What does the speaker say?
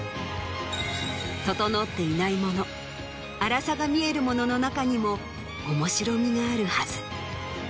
整っていないもの粗さが見えるものの中にも面白みがあるはず。